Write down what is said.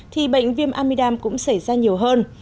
thì bệnh viêm amidam cũng xảy ra nhiều hơn